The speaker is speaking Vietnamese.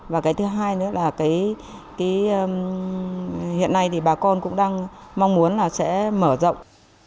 và cái thứ hai nữa là cái hiện nay thì bà con cũng đang mong muốn là sẽ mở rộng